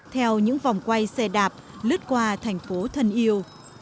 theo những vòng quay xe đạp lướt qua thành phố thân yêu